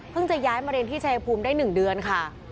จะย้ายมาเรียนที่ชายภูมิได้๑เดือนค่ะ